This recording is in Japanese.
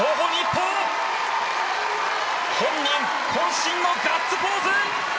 本人、渾身のガッツポーズ！